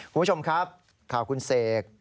คุณผู้ชมครับข่าวคุณเสก